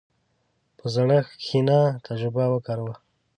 په زړښت کښېنه، تجربه وکاروه.